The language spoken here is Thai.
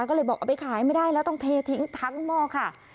ก็เลยบอกเอาไปขายไม่ได้แล้วต้องเททิ้งทั้งหม้อค่ะ